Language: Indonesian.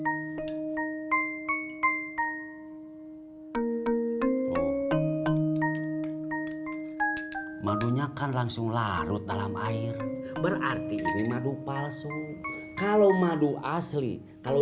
hai videonya kan langsung larut dalam air berarti ini taduh palsu kalau madu asli kalau